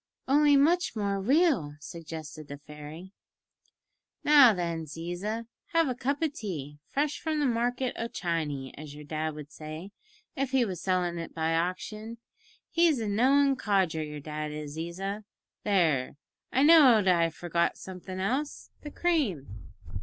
"Only much more real," suggested the fairy. "Now, then, Ziza, have a cup o' tea, fresh from the market o' Chiny, as your dad would say, if he was sellin' it by auction. He's a knowin' codger your dad is, Ziza. There. I knowed I forgot somethin' else the cream!"